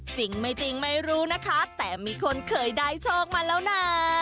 จริงไม่จริงไม่รู้นะคะแต่มีคนเคยได้โชคมาแล้วนะ